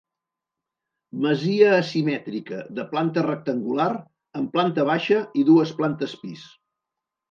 Masia asimètrica de planta rectangular, amb planta baixa i dues plantes pis.